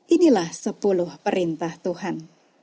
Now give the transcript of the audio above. inilah sepuluh perintah tuhan